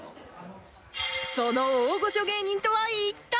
その大御所芸人とは一体！？